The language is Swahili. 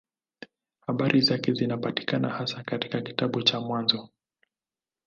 Habari zake zinapatikana hasa katika kitabu cha Mwanzo.